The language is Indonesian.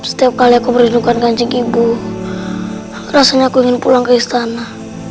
setiap kali aku merindukan kancing ibu rasanya aku ingin pulang ke istana